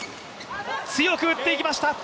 強く打っていきました。